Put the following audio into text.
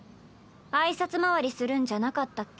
挨拶回りするんじゃなかったっけ？